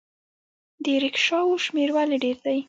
د ریکشاوو شمیر ولې ډیر دی؟